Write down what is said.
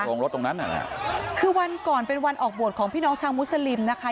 โรงรถตรงนั้นน่ะแหละคือวันก่อนเป็นวันออกบวชของพี่น้องชาวมุสลิมนะคะ